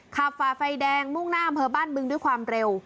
ขับฝ่าไฟแดงมุ่งหน้าเผอร์พันธ์บึงด้วยความเร็ว